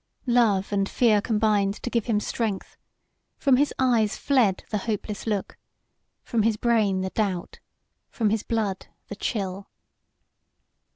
Love and fear combined to give him strength; from his eyes fled the hopeless look, from his brain the doubt, from his blood the chill.